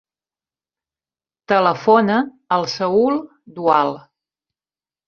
Telefona al Saül Dual.